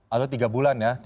atau tiga bulan ya